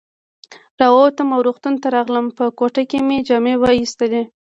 را ووتم او روغتون ته راغلم، په کوټه کې مې جامې وایستلې.